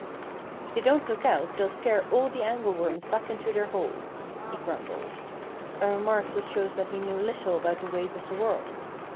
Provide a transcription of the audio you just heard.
"If they don't look out they'll scare all the angleworms back into their holes," he grumbled a remark which shows that he knew little about the ways of the world.